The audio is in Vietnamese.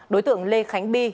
đối tượng lê khánh bi